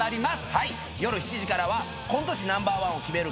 はい夜７時からはコント師Ｎｏ．１を決める